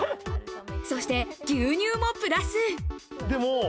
そして牛乳もプラス。